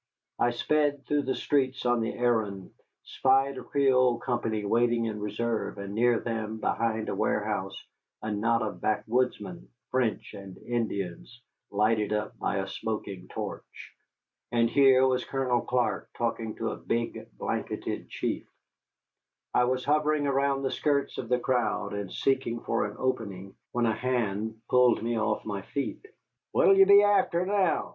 I sped through the streets on the errand, spied a Creole company waiting in reserve, and near them, behind a warehouse, a knot of backwoodsmen, French, and Indians, lighted up by a smoking torch. And here was Colonel Clark talking to a big, blanketed chief. I was hovering around the skirts of the crowd and seeking for an opening, when a hand pulled me off my feet. "What 'll ye be afther now?"